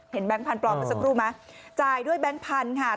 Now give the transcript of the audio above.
เห็นแบงค์พันธุ์ปลอมเป็นสักรูปไหมจ่ายด้วยแบงค์พันธ์ค่ะ